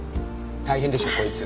大変でしょ？こいつ。